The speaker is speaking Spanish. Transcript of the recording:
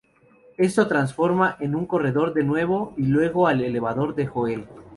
Esto transforma en un corredor de nuevo, y luego al elevador de Joel.